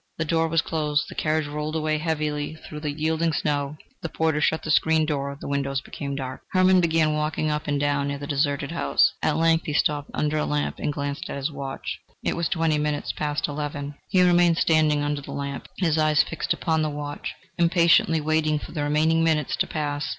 The door was closed. The carriage rolled away heavily through the yielding snow. The porter shut the street door; the windows became dark. Hermann began walking up and down near the deserted house; at length he stopped under a lamp, and glanced at his watch: it was twenty minutes past eleven. He remained standing under the lamp, his eyes fixed upon the watch, impatiently waiting for the remaining minutes to pass.